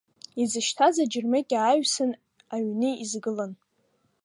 Изышьҭаз аџьармыкьа ааҩсан аҩны изгылан.